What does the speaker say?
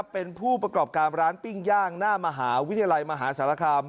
เป็นผู้ประกอบการร้านปิ้งย่างหน้ามหาวิทยาลัยมหาสารคาม